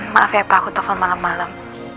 maaf ya pak aku telpon malam malam